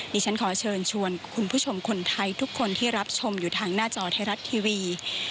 ดิฉันขอเชิญชวนคุณผู้ชมคนไทยทุกคนที่รับชมอยู่ทางหน้าจอไทยรัฐทีวี